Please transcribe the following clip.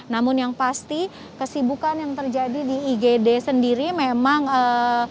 namun yang pasti kesibukan yang terjadi di igd sendiri memang eee